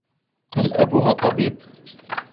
هل أبوها طبيب ؟